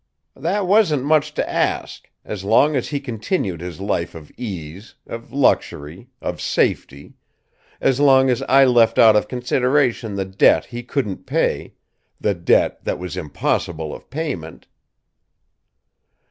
"That wasn't much to ask as long as he continued his life of ease, of luxury, of safety as long as I left out of consideration the debt he couldn't pay, the debt that was impossible of payment."